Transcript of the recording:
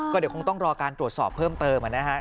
เดี๋ยวคงต้องรอการตรวจสอบเพิ่มเติมนะครับ